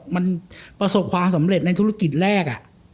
มันประสบความสำเร็จในธุรกิจแรก